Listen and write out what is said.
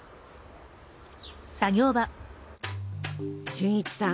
俊一さん